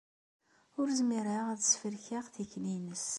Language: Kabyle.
Ur zmireɣ ad sferkeɣ tikli-nnes.